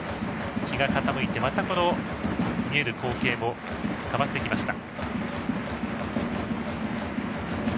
日が傾いて、また見える光景も変わってきました。